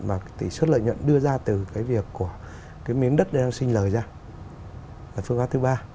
mà tỷ suất lợi nhận đưa ra từ việc miếng đất đang sinh lời ra là phương pháp thứ ba